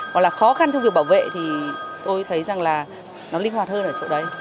còn là khó khăn trong việc bảo vệ thì tôi thấy rằng là nó linh hoạt hơn ở chỗ đấy